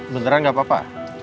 beneran gak apa apa